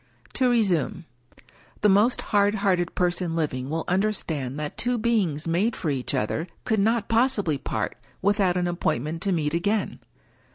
To resume. The most hard hearted person living will understand that two beings made for each other could not possibly part without an appointment to meet again.